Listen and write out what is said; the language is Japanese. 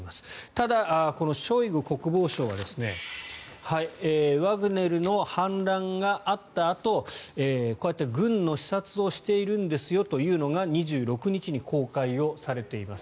ただ、このショイグ国防相はワグネルの反乱があったあとこうやって軍の視察をしているんですよというのが２６日に公開をされています。